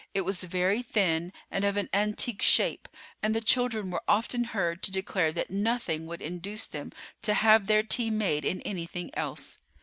It was very thin and of an antique shape, and the children were often heard to declare that nothing would induce them to have their tea made in anything else.